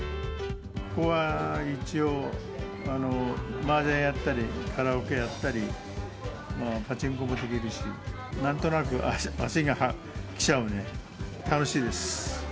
ここは一応マージャンやったり、カラオケやったり、パチンコもできるし、なんとなく足が来ちゃうね、楽しいです。